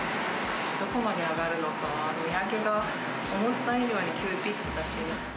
どこまで上がるのか、値上げが思った以上に急ピッチだし。